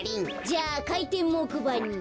じゃあかいてんもくばに。